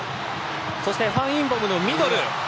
そしてファン・インボムのミドル。